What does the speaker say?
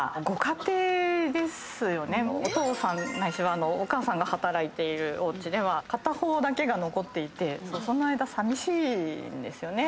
お父さんないしはお母さんが働いているおうちでは片方だけが残っていてその間さみしいんですよね。